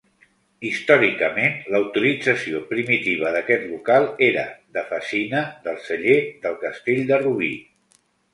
Històricament, la utilització primitiva d'aquest local era de fassina del celler del Castell de Rubí.